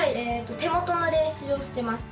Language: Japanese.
手元の練習をしてます。